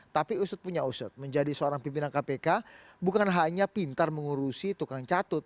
tapi usut punya usut menjadi seorang pimpinan kpk bukan hanya pintar mengurusi tukang catut